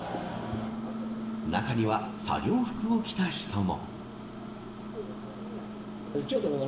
中には作業服を着た人も。